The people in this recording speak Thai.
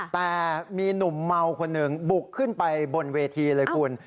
แต่มีหนุ่มเมาคนหนึ่งบุกขึ้นไปบนเวทีเลยคุณ